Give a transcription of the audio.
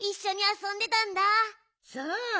そう。